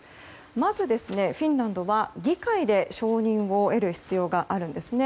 まず、フィンランドは議会で承認を得る必要があるんです。